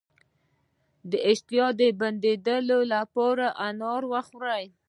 د اشتها د بندیدو لپاره انار وخورئ